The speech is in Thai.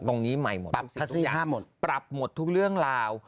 ตรงนี้ใหม่หมดปรับหมดทุกเรื่องราว